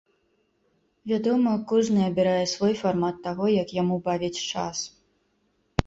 Вядома, кожны абірае свой фармат таго, як яму бавіць час.